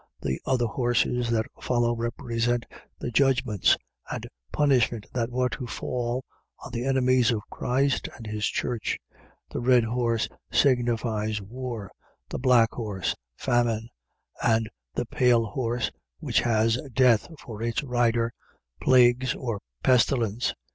The other horses that follow represent the judgments and punishment that were to fall on the enemies of Christ and his church. The red horse signifies war; the black horse, famine; and the pale horse (which has Death for its rider), plagues or pestilence. 6:3.